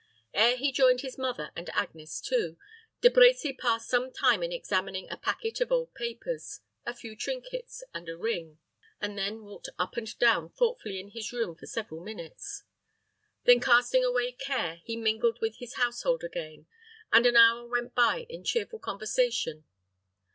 Ere he joined his mother and Agnes too, De Brecy passed some time in examining a packet of old papers, a few trinkets, and a ring, and then walked up and down thoughtfully in his room for several minutes. Then casting away care, he mingled with his household again, and an hour went by in cheerful conversation.